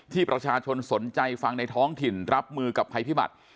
ที่ประชาชนสนใจฟังในท้องถิ่นรับมือกับภัยพิบัติ